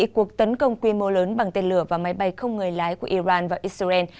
cuộc tấn công quy mô lớn bằng tên lửa và máy bay không người lái của iran vào israel